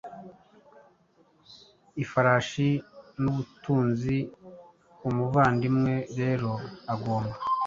Ifarashi nubutunzi Umuvandimwe rero agomba